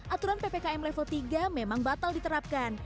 aturan ppkm level tiga memang batal diterapkan